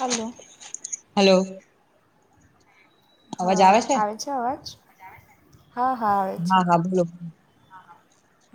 હાલો. Hello. હા આવે છે, અવાજ? હા હા આવે છે. [inaudible]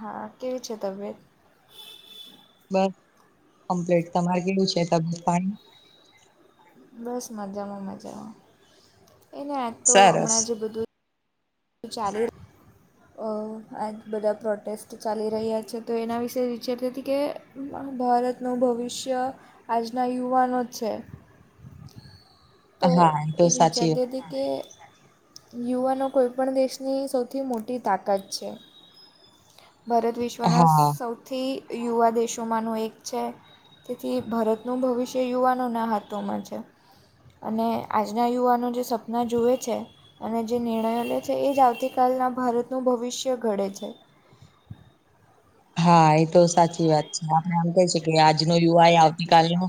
હા કેવી છે, તબિયત? બસ કમ્પ્લેટ તમારે કેવું છે, તબયત પાણી? બસ મજામાં મજામાં એને આજ તો સરસ હમણાં જે બ ચાલે અ આ જ બધા પ્રોટેસ્ટ ચાલી રહ્યા છે, તો એના વિશે વિચારતી હતી કે ભારતનું ભવિષ્ય આજના યુવાનો જ છે. તો હા તો એ જ સાચી વાત. વિચારતી હતી કે યુવાનો કોઈ પણ દેશની સૌથી મોટી તાકાત છે. ભારત વિશ્વના હા સૌથી યુવા દેશોમાંનું એક છે. તેથી ભારતનું ભવિષ્ય યુવાનોના હાથોમાં છે. અને આજના યુવાનો જે સપના જુએ છે. અને જે નિર્ણયો લે છે, એ જ આવતીકાલના ભારતનું ભવિષ્ય ઘડે છે. હા એ તો સાચી વાત છે, આપડે આમ કહી શકીએ આજનો યુવા એ આવતીકાલનુ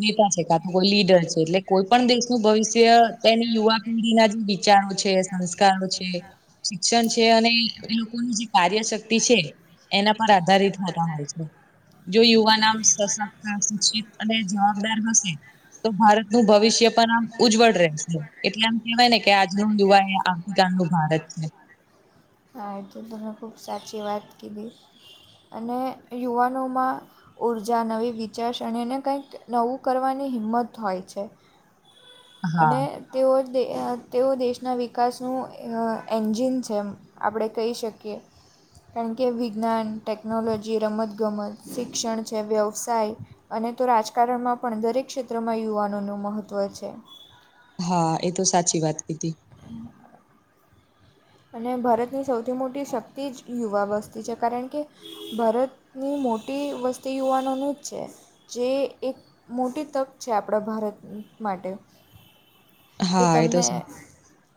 નેતા છે, કા તો કોઈ લીડર છે, એટલે કોઈ પણ દેશનું ભવિષ્ય તેની યુવા પેઢીના જે વિચારો છે, સંસ્કારો છે. શિક્ષણ છે, અને એ લોકોની જે કાર્ય શક્તિ છે. એના પર આધારિત હોતા હોય છે. જો યુવાનમ સશક્ત, શિક્ષિત અને જવાબદાર હશે તો ભારતનું ભવિષ્ય પણ આમ ઉજ્જવળ રહેશે એટલે આમ કેહેવાય ને કે આજનું યુવા એ આમ ગાડું ભારત છે. હા એ તો તમેં ખૂબ સાચી વાત કીધી અને યુવાનોમાં ઉર્જા નવી વિચારસરણીને કઈક નવું કરવાની હિંમત હોય છે. હા અને તેઓ દે તેઓ દેશના વિકાસનું અ એન્જિન છે. એમ આપડે કહી શકીએ કેમકે કે વિજ્ઞાન, ટેકનોલોજી, રમત ગમત, શિક્ષણ છે, વ્યવસાય અને તો રાજકારણમાં પણ દરેક ક્ષેત્રમાં યુવાનોનું મહત્ત્વ છે. હા એ તો સાચી વાત કીધી અને ભારતની સૌથી મોટી શક્તિ જ યુવા વસ્તી છે, કારણ કે ભારતની મોટી વસ્તી યુવાનોનું જ છે. જે એક મોટી તક છે, આપડા ભારત માટે જો હા એ તો તમને સા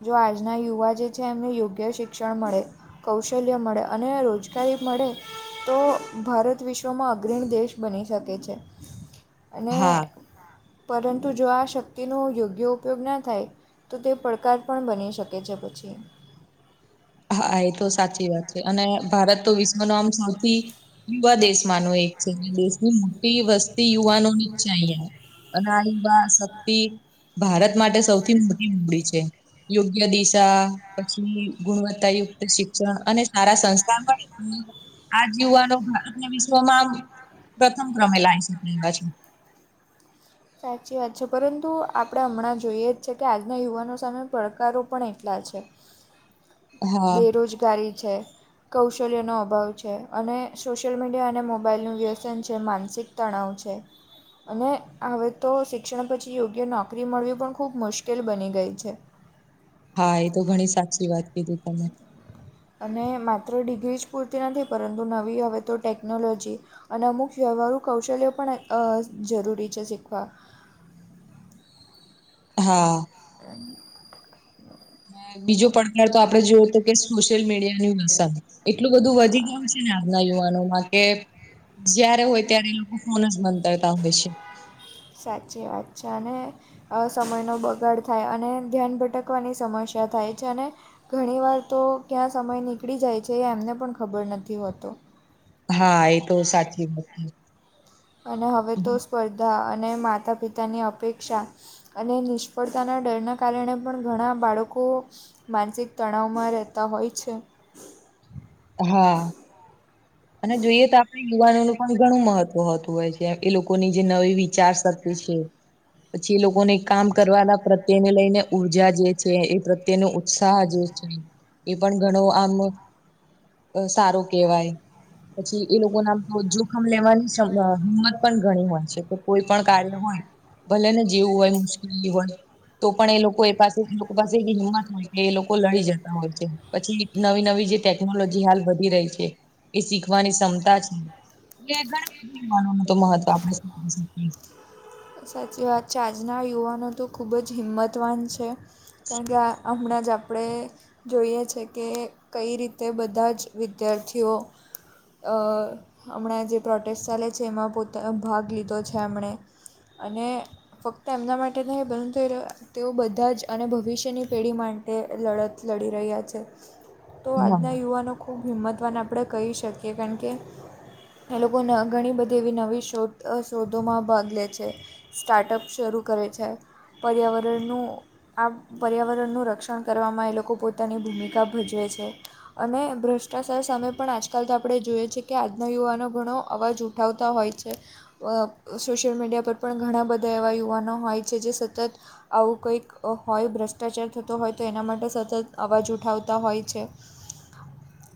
જો આજના યુવા જે છે, એમને યોગ્ય શિક્ષણ મળે કૌશલ્ય મળે અને રોજગારી મળે તો ભારત વિશ્વમાં અગ્રણી દેશ બની શકે છે. અને હા પરંતુ જો આ શક્તિનો યોગ્ય ઉપયોગ ના થાય તો તે પડકાર પણ બની શકે છે, પછી હા એ તો સાચી વાત છે, અને ભારત તો વિશ્વનો આમ સૌથી યુવા દેશ માનો એક છે, દેશની મોટી વસ્તી યુવાનોની જ છે, અહીયા અને આ યુવા શક્તિ ભારત માટે સૌથી મોટી મૂડી છે, યોગ્ય દિશા પછી ગુણવત્તાયુક્ત શિક્ષણ અને સારા સંસ્કાર પણ [unintelligible] આ જ યુવાનો ભારતના વિશ્વમાં આમ પ્રથમ ક્રમે લાવી શકે એવા છે. સાચી વાત છે, પરંતુ આપણે હમણાં જોઈએ જ છે, કે આજના યુવાનો સામે પડકારો પણ એટલા છે. હા બેરોજગારી છે. કૌશલ્યનો અભાવ છે, અને સોશિયલ મીડિયા અને મોબાઈલનું વ્યસન છે, માનસિક તણાવ છે. અને હવે તો શિક્ષણ પછી યોગ્ય નોકરી મળવી પણ ખૂબ મુશ્કેલ બની ગઈ છે. હા એ તો ઘણી સાચી વાત કીધી તમે અને માત્ર ડિગ્રી જ પૂરતી નથી પરંતુ નવી હવે તો ટેકનોલોજી અને અમુક વ્યવહારુ કૌશલ્યો પણ અ જરૂરી છે, શીખવા હા. [inaudible] ને બીજો પડકાર તો આપડે જોયો તો કે સોશિયલ મીડિયાની [unintelligible] એટલું બધું હા વધી ગયું છે, ને આજના યુવાનોમાં કે જયારે હોય ત્યારે એ લોકો ફોન જ બંધ કરતા હોય છે. સાચી વાત છે, અને અ સમયનો બગાડ થાય અને ધ્યાન ભટકવાની સમસ્યા થાય છે, અને ઘણી વાર તો ક્યાં સમય નીકળી જાય છે, એ એમને પણ ખબર નથી હોતુ હા એ તો સાચી વાત અને હવે તો સ્પર્ધા અને માતા પિતાની અપેક્ષા અને નિષ્ફળતાના ડરના કારણે પણ ઘણા બાળકો માનસિક તણાવમાં રહેતા હોય છે. હા. અને જોઈએ તો આપણે યુવાનોનું પણ ઘણું મહત્વ હોતું હોય છે, એ લોકોની જે નવી વિચાર શક્તિ છે. પછી એ લોકોને કામ કરવાના પ્રત્યેને લઈને ઉર્જા જે છે, એ પ્રત તેનો ઉત્સાહ જે છે, એ પણ ઘણો આમનો અ સારું કેવાય પછી એ લોકો નામ તો જોખમ લેવાની સ હિંમત પણ ઘણી હોય છે, કે કોઈ પણ કાર્ય હોય ભલે ને જેવું હોય મુશ્કેલી હોય તો પણ એ લોકો એ પાસે એ લોકો પાસે એવી હિંમત હોય કે એ લોકો લડી જતા હોય છે. પછી નવી નવી જે ટેકનોલોજી હાલ વધી રહી છે. એ શીખવાની ક્ષમતા છે, એ ઘણા બધા યુવાનો તો મહત્વ આપે છે. સાચી વાત છે, આજના યુવાનો તો ખૂબ જ હિંમતવાન છે. કારણ કે આ હમણાં જ આપણે જોઈએ છે, કે કઈ રીતે બધા જ વિદ્યાર્થીઓ અ હમણાં જે પ્રોટેસ્ટ ચાલે છે, એમાં પોતા ભાગ લીધો છે, એમણે અને ફક્ત એમના માટે નહી પરંતુ એ તેઓ બધા જ અને ભવિષ્યની પેઢીમાં મા એ લડત લડી રહ્યા છે, તો હા આજના યુવાનો ખૂબ હિંમતવાન આપણે કહી શકીએ કારણ કે એ લોકો ન ઘણી બધી એવી નવી શોધ અ શોધોમાં ભાગ લે છે. છે, સ્ટાર્ટઅપ શરૂ કરે છે, પર્યાવરણનું આ પર્યાવરણનું રક્ષણ કરવામાં એ લોકો પોતાની ભૂમિકા ભજવે છે. અને ભ્રષ્ટાચાર સામે આજકાલ તો આપણે જોઈએ છે, કે આજના યુવાનો ઘણો અવાજ ઉઠાવતા હોય છે, અ સોશિયલ મીડિયા પર પણ ઘણા બધા એવા યુવાનો હોય છે, જે સતત આવું કંઈક હોય ભ્રષ્ટાચાર થતો હોય તો એના માટે સતત અવાજ ઉઠાવતા હોય છે. [inaudible]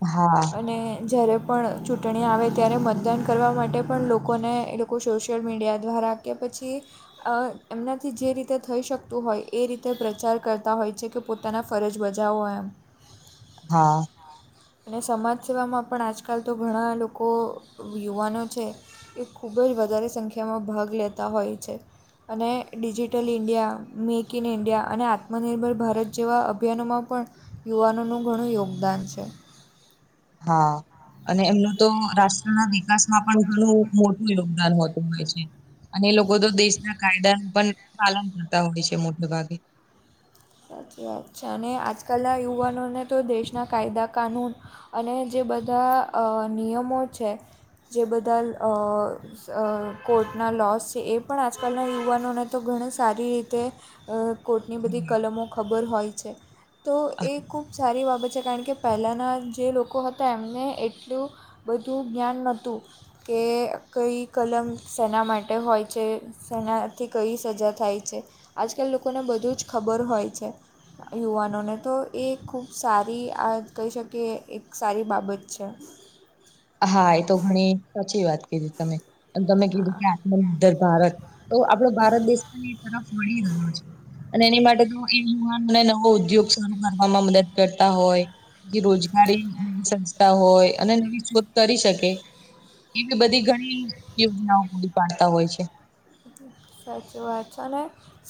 હા. અને જ્યારે પણ ચૂંટણી આવે ત્યારે મતદાન કરવા માટે પણ લોકોને એ લો કો સોશિયલ મીડિયા દ્વારા કે પછી અ એમનાથી જે રીતે થઈ શકતું હોય એ રીતે પ્રચાર કરતા હોય છે, કે પોતાના ફરજ બજાવો એમ હા. અને સમાજ સેવામાં પણ આજકાલ તો ઘણા લોકો યુવાનો છે. એ ખૂબ જ વધારે સંખ્યામાં ભાગ લેતા હોય છે. અને digital India, make in India અને આત્મનિર્ભર ભારત જેવા અભિયાનોમાં પણ યુવાનોનું ઘણું યોગદાન છે. હા. અને એમનું તો રાષ્ટ્રના વિકાસમાં પણ ઘણું મોટું યોગદાન હોતું હોય છે. અને લોકો તો દેશના કાયદાનું પણ પાલન કરતા હોય છે, મોટે ભાગે સાચી વાત છે, અને આજકાલના યુવાનોને તો દેશના કાયદા કાનૂન અને જે બધા અ નિયમો છે, જે બદલ અ અ કોર્ટના લોસ છે, એ પણ આજકાલના યુવાનોને તો ઘણી સારી રીતે અ કોટની બધી કલમો ખબર હોય છે, તો એ ખૂબ સારી બાબત છે, કારણ કે પહેલાંના જે લોકો હતા એમને એટલું બધું જ્ઞાન નતુ કે કઈ કલમ શેના માટે હોય છે. શેનાથી કઈ સજા થાય છે, આજકાલ લોકોને બધું જ ખબર હોય છે. યુવાનોને તો એ ખૂબ સારી આ કહી શકીએ એક સારી બાબત છે. હા એ તો ઘણી સાચી વાત કીધી તમે અને તમે કીધું કે આત્મનિર્ભર ભારત તો આપડો ભારત દેશ પણ એક તરફ વળી રહ્યો છે. અને એની માટે તો એ યુવાનોને નવો ઉદ્યોગ શરૂ કરવામાં મદદ કરતા હોય. જે રોજગારીની નવી સંસ્થા હોય અને નવી શોધ કરી શકે એવી બધી ઘણી યોજનાઓ પૂરી પાડતા હોય છે. સાચી વાત છે, અને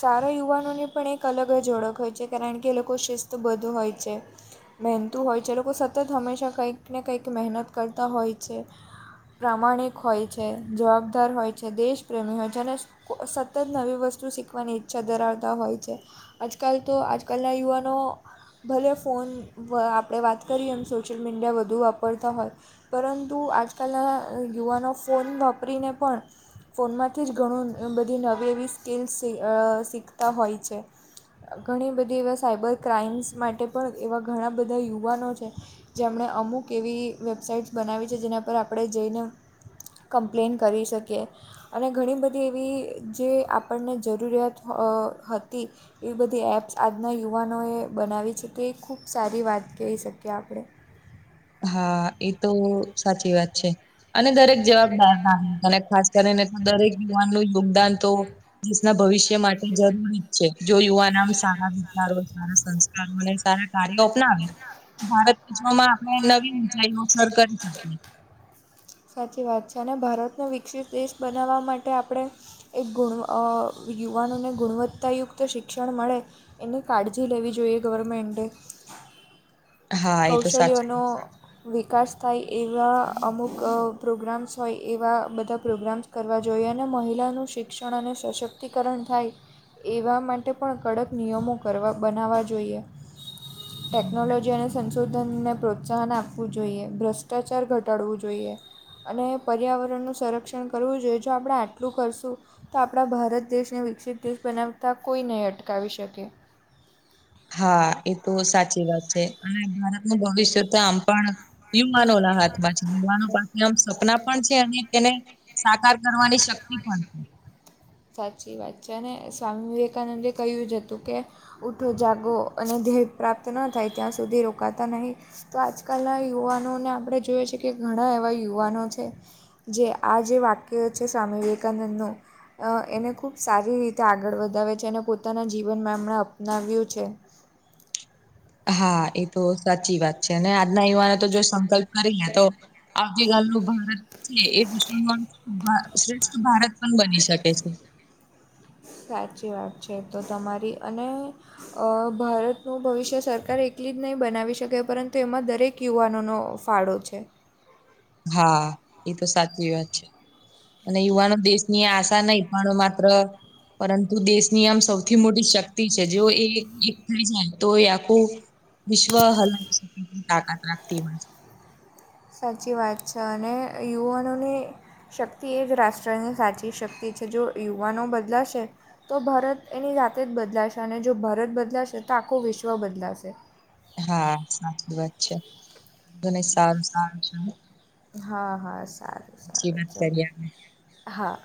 સારો યુવાનોની પણ એક અલગ જ ઓળખ હોય છે, કારણ કે એ લોકો શિસ્તબદ્ધ હોય છે. મહેનતું હોય છે, એ લોકો સતત હંમેશા કંઈક ને કંઈક મહેનત કરતા હોય છે. પ્રામાણિક હોય છે, જવાબદાર હોય છે, દેશ પ્રેમી હોય છે, અને કો સતત નવી વસ્તુ શીખવાની ઈચ્છા ધરાવતા હોય છે. આજકાલ તો આજકાલના યુવાનો ભલે ફોન આપણે વાત કરીએ એમ સોશિયલ મીડિયા વધુ વાપરતા હોય. પરંતુ આજકાલના યુવાનો ફોન વાપરીને પણ ફોનમાંથી જ ઘણું બધી નવી એવી સ્કીલ અ શીખતા હોય છે. ઘણી બધી એવા સાયબર ક્રાઈમ્સ માટે પણ એવા ઘણા બધા યુવાનો છે. જેમણે અમુક એવી વેબસાઈટ્સ બનાવી છે, જેના પર આપણે જઈને કમ્પ્લેન કરી શકીએ અને ઘણી બધી બ ધી એવી જે આપણને જરૂરિયાત હ હતી. એવી બધી એપ્સ આજના યુવાનોએ બનાવી છે, કે એ ખૂબ સારી વાત કહી શકીએ આપણે હા એ તો સાચી વાત છે, અને દરેક જવાબદાર નામ ભલે ખાસ કરીને દરેક યુવાનનું ય યોગદાન તો દેશના ભવિષ્ય માટે જરૂરી જ છે જો યુવાન આમ સારા વિચાર હોય સારા સંસ્ કાર હોય અને સારા કાર્યો અપનાવે [unintelligible] નવી ઊંચાઈઓ સર કરી શકે સાચી વાત છે અને ભારતને વિકસિત દેશ બનાવવા માટે આપણે એક ગુણ અ યુવાનોને ગુણવત્તાયુક્ત શિક્ષણ મળે. એની કાળજી લેવી જોઈએ ગવર્મેન્ટે. હા એ તો સાચું કૌશલ્યનો વિકાસ થાય એવા અમુક અ પ્રોગ્રામ્સ હોય એવા બધા પ્રોગ્રામ્સ. કરવા જોઈએ અને મહિલાનું શિક્ષણ અને સશક્તિકરણ થાય એવા માટે પણ કડક નિયમો કરવા બનાવવા જોઈએ. ટેક્નોલોજી અને સંશોધનને પ્રોત્સાહન આપવું જોઈએ, ભ્રષ્ટાચાર ઘટાડવું જોઈએ. અને પર્યાવરણનું સંરક્ષણ કરવું જોઈએ, જો આપણે આટલું કરશું. તો આપણા ભારત દેશને વિકસિત દેશ બનાવતા કોઈ નઈ અટકાવી શકે. હા એ તો સાચી વાત છે અને ભારતનું ભવિષ્યતો આમ પણ યુવાનોના હાથમાં છે, યુવાનો પણ એમ સપના પણ છે અને તેને સાકાર કરવાની શક્તિ પણ છે. સાચી વાત છે અને સ્વામી વિવેકાનંદે કહ્યું જ હતું કે, ઊઠો જાગો અને ધ્યેય પ્રાપ્ત ન થાય ત્યાં સુધી રોકાતા નહીં. તો આજકાલના યુવાનોને આપણે જોઈએ છે કે ઘણાં એવા યુવાનો છે. જે આ જે વાક્ય છે સ્વામી વિવેકાનંદનું હ એને ખૂબ સારી રીતે આગળ વધાવે છે અને પોતાના જીવનમાં એમણે અપનાવ્યું છે. હા એ તો સાચી વાત છે અને આજના યુવાનો તો જો એ સંકલ્પ કરી લે તો આવતીકાલનું ભારત છે એ વિશ્વમાં [unintelligible] શ્રેષ્ઠ ભારત પણ બની શકે છે. સાચી વાત છે તો તમારી અને અ ભારતનું ભવિષ્ય સરકાર એકલી જ નઈ બનાવી પરંતુ એમાં દરેક યુવાનોનો ફાળો છે. હા એ તો સાચી વાત છે. અને યુવાનો દેશની આશા નઈ પણ માત્ર પરંતુ દેશની આમ સૌથી મોટી શક્તિ છે. જેઓ એ એક થઈ જાય તો એ આખું વિશ્વ [unintelligible] તાકાત રાખતી હોય છે. સાચી વાત છે અને યુવાનોને શક્તિ એ જ રાષ્ટ્રની સાચી શક્તિ છે. જો યુવાનો બદલાશે તો ભારત એની જાતે જ બદલાશે અને જો ભારત બદલાશે તો આખું વિશ્વ બદલાશે. હા સાચી વાત છે. [unintelligible] સારું સારું છે ને. હા હા સારું. સારું ચલો [unintelligible] હા.